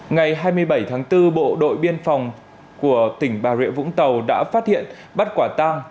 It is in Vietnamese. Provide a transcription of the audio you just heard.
ngày hai mươi bảy tháng bốn bộ đội biên phòng của tỉnh bà rịa vũng tàu đã phát hiện bắt quả tang